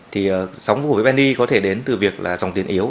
thì sóng của cổ phiếu bendy có thể đến từ việc là dòng tiền yếu